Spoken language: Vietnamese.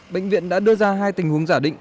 bệnh viện đã đưa ra hai tình huống giả định